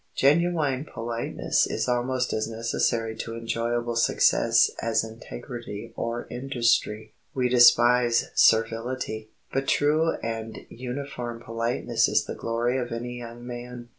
Genuine politeness is almost as necessary to enjoyable success as integrity or industry. We despise servility, but true and uniform politeness is the glory of any young man.